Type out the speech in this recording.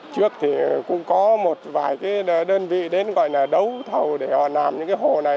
trước thì cũng có một vài cái đơn vị đến gọi là đấu thầu để họ làm những cái hộ này